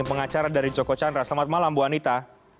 pengacara dari joko chandra selamat malam bu anita